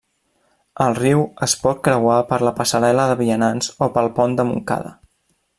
El riu es pot creuar per la passarel·la de vianants o pel pont de Montcada.